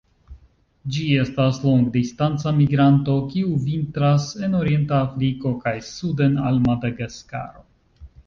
Ĝi estas longdistanca migranto, kiu vintras en orienta Afriko kaj suden al Madagaskaro.